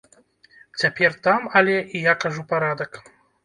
Цяпер там, але, і я кажу, парадак.